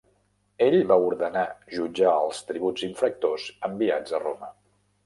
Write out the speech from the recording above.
Ell va ordenar jutjar els tributs infractors enviats a Roma.